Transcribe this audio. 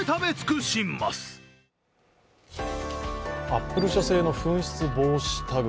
アップル社製の紛失防止タグ。